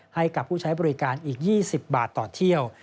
ให้กับผู้ใช้บริการอีก๒๐บาทต่อเที่ยว